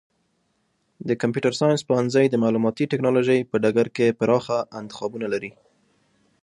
د کمپیوټر ساینس پوهنځی د معلوماتي ټکنالوژۍ په ډګر کې پراخه انتخابونه لري.